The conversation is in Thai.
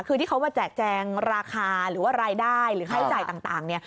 คือที่เขามาแจกแจงราคาหรือว่ารายได้หรือค่าใช้จ่ายต่างเนี่ย